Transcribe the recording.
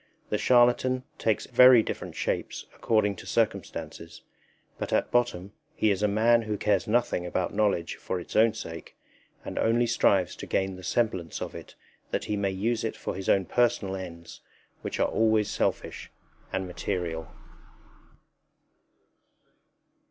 The charlatan takes very different shapes according to circumstances; but at bottom he is a man who cares nothing about knowledge for its own sake, and only strives to gain the semblance of it that he may use it for his own personal ends, which are always selfish and material.